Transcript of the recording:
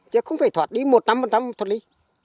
chứ không phải thoát đi một năm một năm thoát đi